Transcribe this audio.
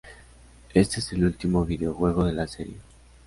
Este es el último videojuego de la serie.